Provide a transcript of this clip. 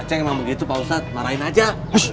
cek memang begitu pak ustadz marahin aja